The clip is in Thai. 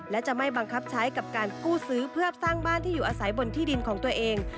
และจะไม่บังคับใช้กับการกู้ซื้อเพื่อสร้างบ้านที่อยู่อาศัยบนที่ดินของตัวเอง